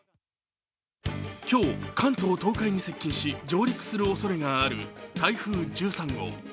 今日、関東・東海に接近し上陸するおそれがある台風１３号。